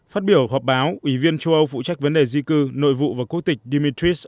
phát biểu họp báo ủy viên châu âu phụ trách vấn đề di cư nội vụ và quốc tịch dmitris